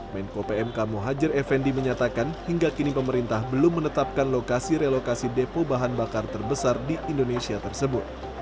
menko pmk muhajir effendi menyatakan hingga kini pemerintah belum menetapkan lokasi relokasi depo bahan bakar terbesar di indonesia tersebut